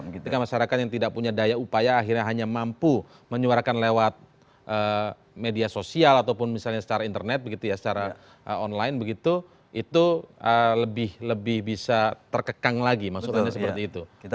ketika masyarakat yang tidak punya daya upaya akhirnya hanya mampu menyuarakan lewat media sosial ataupun misalnya secara internet begitu ya secara online begitu itu lebih bisa terkekang lagi maksudnya seperti itu